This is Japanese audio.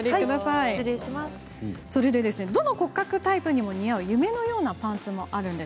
それで、どの骨格タイプにも似合う夢のようなパンツもあるんです。